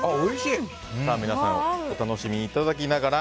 皆さんお楽しみいただきながら。